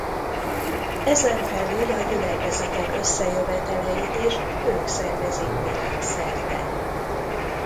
Ezen felül a gyülekezetek összejöveteleit is ők szervezik világszerte.